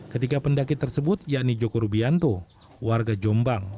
ketiga pendaki tersebut yakni joko rubianto warga jombang